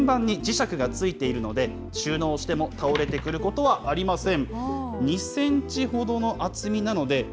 天板に磁石が付いているので、収納しても倒れてくることはありません。